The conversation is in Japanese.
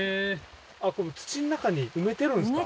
これ土の中に埋めてるんですか？